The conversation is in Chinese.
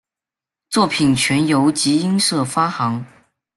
作品全由集英社发行。